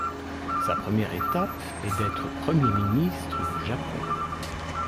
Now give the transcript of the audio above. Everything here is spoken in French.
Sa première étape est d'être Premier ministre du Japon.